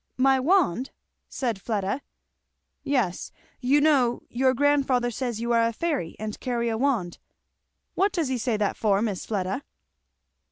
"My wand?" said Fleda. "Yes you know your grandfather says you are a fairy and carry a wand. What does he say that for, Miss Fleda?"